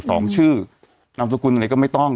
สองชื่อนามสกุลอะไรก็ไม่ต้อง